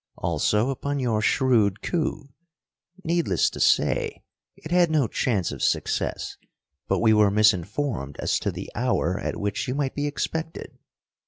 "Also upon your shrewd coup. Needless to say, it had no chance of success, but we were misinformed as to the hour at which you might be expected.